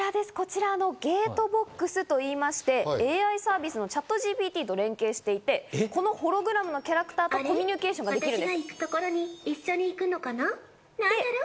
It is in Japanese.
こちらのＧａｔｅｂｏｘといいまして、ＡＩサービスのＣｈａｔＧＰＴと連携していまして、このホログラムのキャラクターとコミュニケーションができるんです。